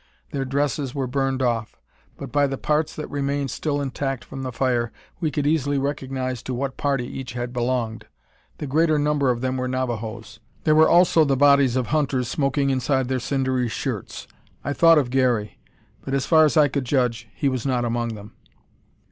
Their dresses were burned off; but by the parts that remained still intact from the fire, we could easily recognise to what party each had belonged. The greater number of them were Navajoes. There were also the bodies of hunters smoking inside their cindery shirts. I thought of Garey; but, as far as I could judge, he was not among them.